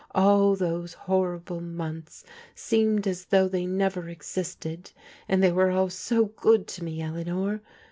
All those horrible months seemed as though they never existed, and they were all so good to me, Eleanor.